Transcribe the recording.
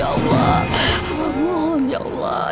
amatlah menyembah ya allah